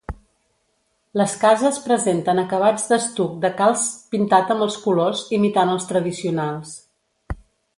Les cases presenten acabats d'estuc de calç pintat amb els colors imitant els tradicionals.